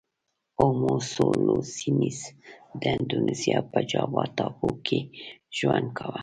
هومو سولوینسیس د اندونزیا په جاوا ټاپو کې ژوند کاوه.